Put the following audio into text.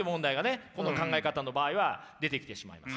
この考え方の場合は出てきてしまいます。